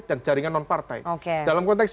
dan jaringan nonpartai dalam konteks